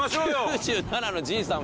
９７のじいさん